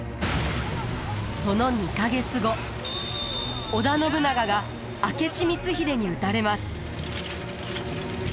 その２か月後織田信長が明智光秀に討たれます。